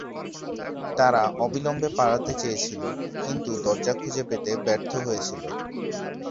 তারা অবিলম্বে পালাতে চেয়েছিল, কিন্তু দরজা খুঁজে পেতে ব্যর্থ হয়েছিল।